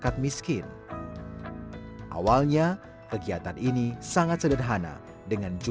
apakah saja antara dua dadah finesse bandara temu vinko